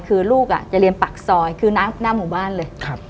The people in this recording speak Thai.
คือลูกจะเรียนปากซอยคือหน้าหมู่บ้านเลย